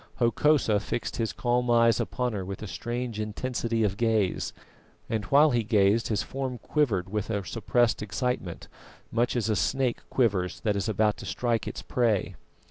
Hokosa fixed his calm eyes upon her with a strange intensity of gaze, and while he gazed his form quivered with a suppressed excitement, much as a snake quivers that is about to strike its prey.